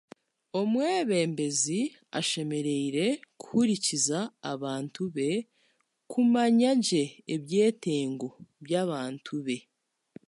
Omwebembezi ashemereire kuhurikiza abantu be, kumanya gye ebyetengo by'abantu be.